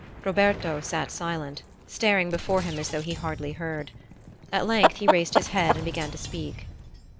Roberto sat silent, staring before him as though he hardly heard. At length he raised his head and began to speak.